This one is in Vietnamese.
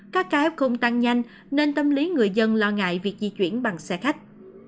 các cáp không tăng nhanh nên tâm lý người dân lo ngại việc di chuyển bằng xe khách